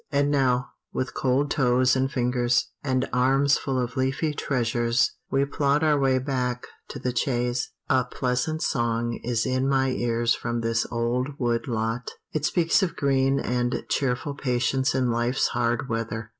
And now, with cold toes and fingers, and arms full of leafy treasures, we plod our way back to the chaise. A pleasant song is in my ears from this old wood lot it speaks of green and cheerful patience in life's hard weather.